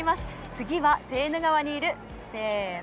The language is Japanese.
次はセーヌ川にいる、せーの。